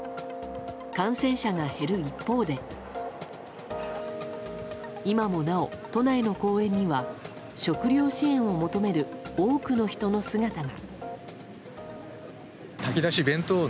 感染者が減る一方で今もなお、都内の公園には食料支援を求める多くの人の姿が。